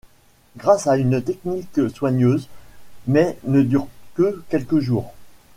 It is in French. Grâce à une technique soigneuse, mais ne durent que quelques jours.